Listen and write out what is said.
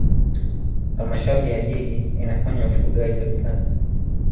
halmashauri ya jiji inafanya ufugaji wa kisasa